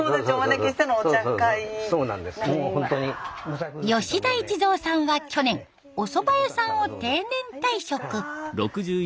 吉田市蔵さんは去年おそば屋さんを定年退職。